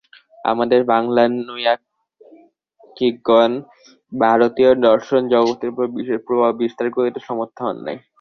আমাদের বাঙলার নৈয়ায়িকগণ ভারতীয় দর্শন-জগতের উপর বিশেষ প্রভাব বিস্তার করিতে সমর্থ হন নাই।